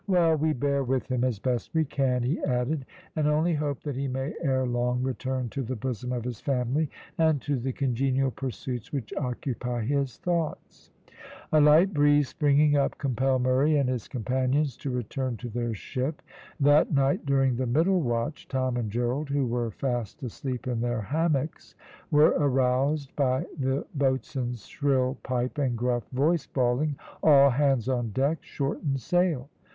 "Well, we bear with him as best we can," he added, "and only hope that he may ere long return to the bosom of his family, and to the congenial pursuits which occupy his thoughts." A light breeze springing up compelled Murray and his companions to return to their ship. That night during the middle watch Tom and Gerald, who were fast asleep in their hammocks, were aroused by the boatswain's shrill pipe and gruff voice bawling, "All hands on deck shorten sail!"